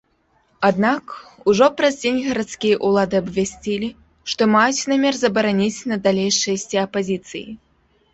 Аднак, ужо праз дзень гарадскія ўлады абвясцілі, што маюць намер забараніць надалей шэсці апазіцыі.